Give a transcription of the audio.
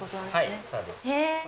はい、そうです。